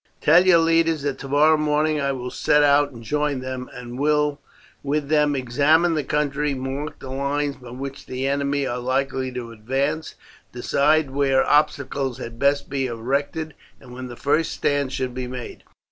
Tell your leaders that tomorrow morning I will set out and join them, and will with them examine the country, mark the lines by which the enemy are likely to advance, decide where obstacles had best be erected, and where the first stand should be made.